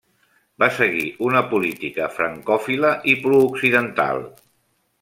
Va seguir una política francòfila i prooccidental.